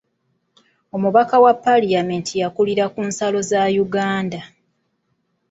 Omubaka wa palamenti yakulira ku nsalo za Uganda.